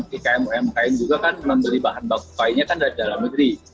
jadi masalah teman teman ikm rmpm juga kan beli bahan baku kainnya kan dari dalam negeri